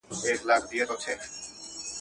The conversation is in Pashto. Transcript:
پخوانیو زمانو کي یو دهقان وو.